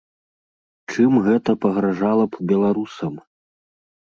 Чым гэта пагражала б беларусам?